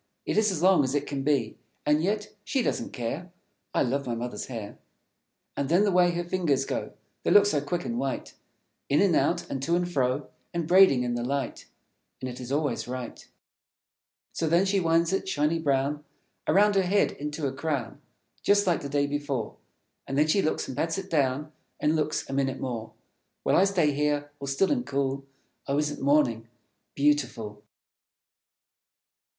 It is as long as it can be, And yet she doesn't care. I love my Mother's hair. And then the way her fingers go; They look so quick and white, In and out, and to and fro, And braiding in the light; And it is always right. So then she winds it, shiny brown, Around her head into a crown, Just like the day before. And then she looks, and pats it down, And looks, a minute more. While I stay here, all still and cool. Oh, isn't Morning beautiful?